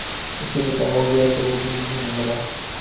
اُسے بتایا گیا وُہ ذہین ہونے لگا